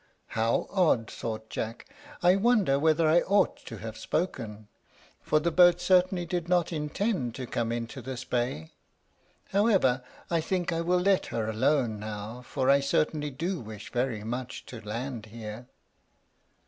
"How odd!" thought Jack. "I wonder whether I ought to have spoken; for the boat certainly did not intend to come into this bay. However, I think I will let her alone now, for I certainly do wish very much to land here."